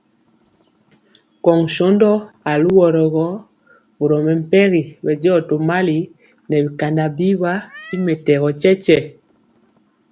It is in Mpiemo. Kɔɔ shondɔ aluworo gɔ, boro mɛmpegi bɛndiɔ tomali nɛ bikanda biwa y mɛtɛgɔ tyetye.